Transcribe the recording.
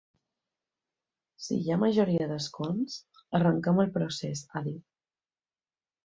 Si hi ha majoria d’escons, arrenquem el procés, ha dit.